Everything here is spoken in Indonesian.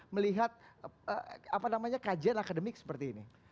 melihat apa namanya kajian akademik seperti ini